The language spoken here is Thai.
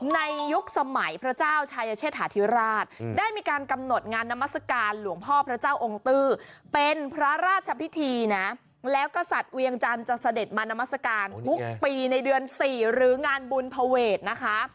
ในยุคสมัยพระเจ้าชายเชษฐาธิราชได้มีการกำหนดงานนามัศกาลหลวงพ่อพระเจ้าองค์ตื้อเป็นพระราชพิธีนะแล้วก็สัตว์เวียงจันทร์จะเสด็จมานามัศกาลทุกปีในเดือน๔หรืองานบุญภเวทนะคะ